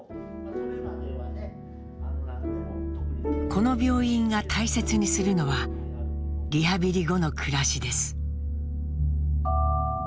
この病院が大切にするのはリハビリ後の暮らしです。